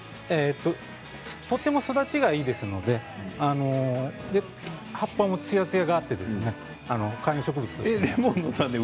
とても育ちがいいですので葉っぱもツヤツヤがあって観葉植物として。